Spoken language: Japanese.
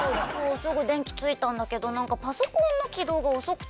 すぐ電気ついたんだけど何かパソコンの起動が遅くて。